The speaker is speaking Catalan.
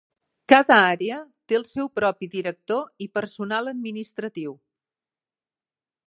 Cada àrea té el seu propi director i personal administratiu.